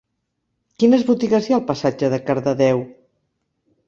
Quines botigues hi ha al passatge de Cardedeu?